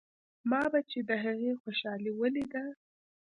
ما به چې د هغې خوشالي وليده.